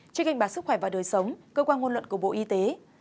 trên kênh bản sức khỏe và đời sống cơ quan ngôn luận của bộ y tế